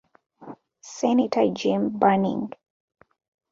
Senator Jim Bunning.